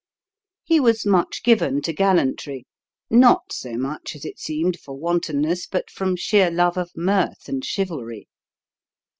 He was much given to gallantry not so much, as it seemed, for wantonness, but from sheer love of mirth and chivalry.